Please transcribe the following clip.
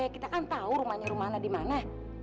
kita kan tau rumahnya rumah anak dimana